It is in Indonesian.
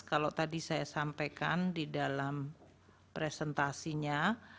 kalau tadi saya sampaikan di dalam presentasinya